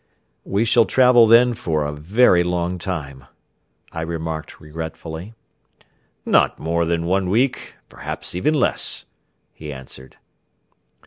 "We shall travel then for a very long time," I remarked regretfully. "Not more than one week, perhaps even less," he answered.